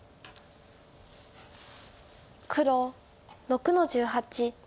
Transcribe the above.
黒６の十八。